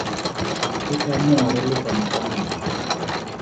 Ke ka moo re lekang ka natla.